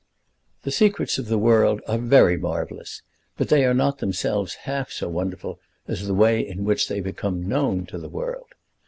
The secrets of the world are very marvellous, but they are not themselves half so wonderful as the way in which they become known to the world.